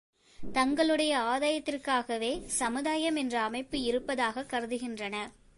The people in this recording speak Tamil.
தங்களுடைய ஆதாயத்திற்காகவே சமுதாயம் என்ற அமைப்பு இருப்பதாகக் கருதுகின்றனர்.